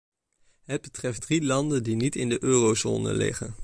Het betreft drie landen die niet in de eurozone liggen.